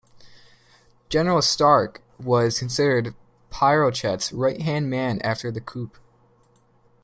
General Stark was considered Pinochet's right-hand man after the coup.